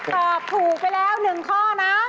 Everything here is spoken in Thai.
ตอบถูกไปแล้ว๑ข้อนะ